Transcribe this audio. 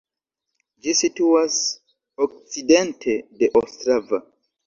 Ĝi situas okcidente de Ostrava.